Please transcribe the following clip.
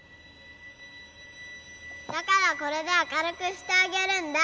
だからこれで明るくしてあげるんだ！